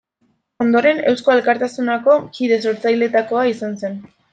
Ondoren, Eusko Alkartasunako kide sortzaileetakoa izan zen.